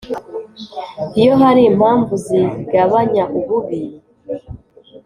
Iyo hari impamvu zigabanya ububi